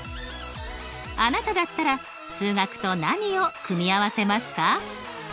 あなただったら数学と何を組み合わせますか？